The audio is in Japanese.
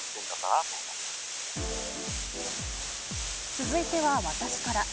続いては私から。